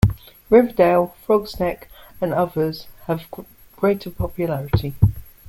Riverdale, Throggs Neck, and others have greater popularity.